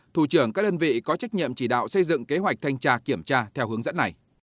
thủ trưởng các đơn vị có trách nhiệm chỉ đạo xây dựng kế hoạch thanh tra kiểm tra theo hướng dẫn này